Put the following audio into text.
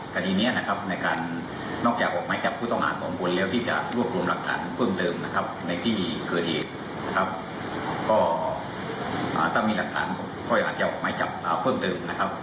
ก็อาจจะออกมาให้จับเพิ่มเติมนะครับ